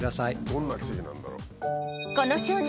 どんな奇跡なんだろう。